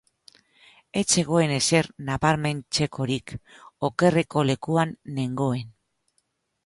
Ez zegoen ezer nabarmentzekorik, okerreko lekuan nengoen.